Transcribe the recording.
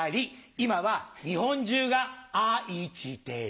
今は日本中がアイチてる。